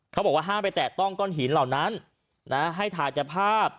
เขาบอกว่าห้ามไปแตะต้องก้อนหินเหล่านั้นนะให้ถ่ายแต่ภาพ